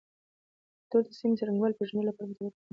کلتور د سیمې د څرنګوالي پیژندلو لپاره مطالعه کول معلومات زیاتوي.